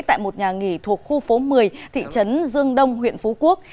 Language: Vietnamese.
tại một nhà nghỉ thuộc khu phố một mươi thị trấn dương đông huyện phú quốc